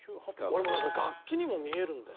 俺もうなんか楽器にも見えるんだよ。